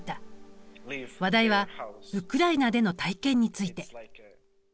話題はウクライナでの体験について。